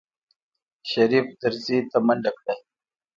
شريف دريڅې ته منډه کړه.